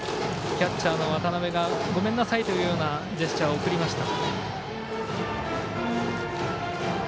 キャッチャーの渡辺がごめんなさいというジェスチャーを送りました。